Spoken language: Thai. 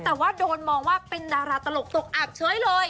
แต่ว่าโดนมองว่าเป็นดาราตลกตกอับเฉยเลย